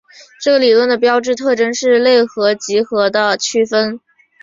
这个理论的标志特征是类和集合的区分。